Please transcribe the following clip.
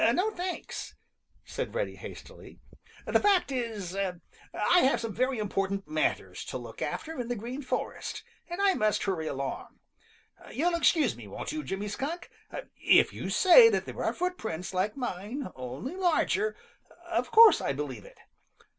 "No, thanks!" said Reddy hastily. "The fact is, I have some very important matters to look after in the Green Forest, and I must hurry along. You'll excuse me, won't you, Jimmy Skunk? If you say that there are footprints like mine, only larger, of course I believe it.